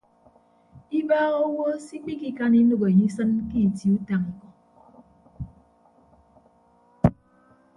Ibaaha owo se ikpikikan inәk enye isịn ke itie utañ ikọ.